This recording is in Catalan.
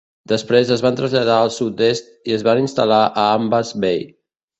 Després es van traslladar al sud-est i es van instal·lar a Ambas Bay.